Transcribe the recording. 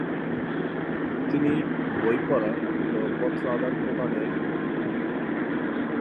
তিনি বই পড়া ও পত্র আদান-প্রদানের